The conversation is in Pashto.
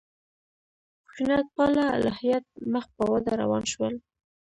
خشونت پاله الهیات مخ په وده روان شول.